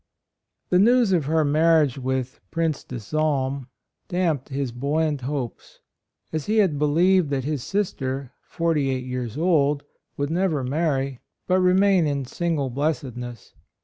73 The news of her marriage with Prince De Salm damped his buoy ant hopes, as he had believed that his sister (forty eight years old) would never marry, but remain in "single blessedness."